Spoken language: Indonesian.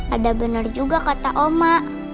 ada benar juga kata oma